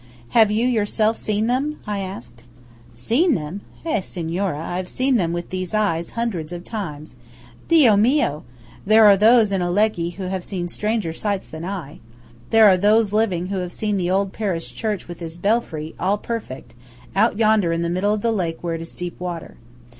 "Have you yourself seen them?" I asked. "Seen them? Eh, signora, I have seen them with these eyes, hundreds of times. Dio mio! there are those in Alleghe who have seen stranger sights than I. There are those living who have seen the old parish church with its belfry, all perfect, out yonder in the middle of the lake where it is deep water.